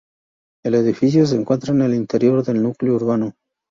El edificio se encuentra en el interior del núcleo urbano.